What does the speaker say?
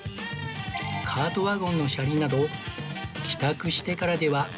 カートワゴンの車輪など帰宅してからでは面倒な後片付けを